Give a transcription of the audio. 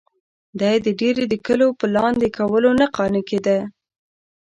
دی د دیر د کلیو په لاندې کولو نه قانع کېده.